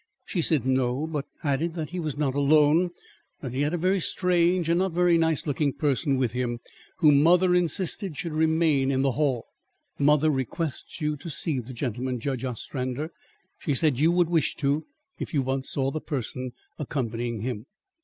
She said no; but added that he was not alone; that he had a very strange and not very nice looking person with him whom mother insisted should remain in the hall. "Mother requests you to see the gentleman, Judge Ostrander. She said you would wish to, if you once saw the person accompanying him."